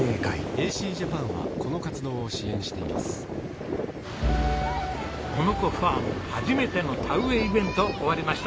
「さわやかパッド」男ノ子ファーム初めての田植えイベント終わりました。